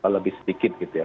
lebih sedikit gitu ya